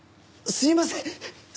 すいません。